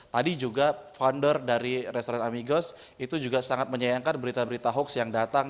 tadi juga founder dari restoran amigos itu juga sangat menyayangkan berita berita hoax yang datang